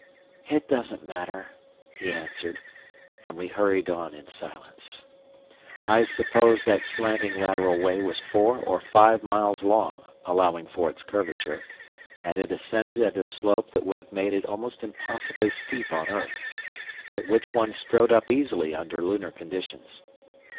"It doesn't matter," he answered, and we hurried on in silence. I suppose that slanting lateral way was four or five miles long, allowing for its curvature, and it ascended at a slope that would have made it almost impossibly steep on earth, but which one strode up easily under lunar conditions.